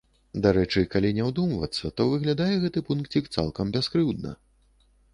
Дарэчы, калі не ўдумвацца, то выглядае гэты пункцік цалкам бяскрыўдна.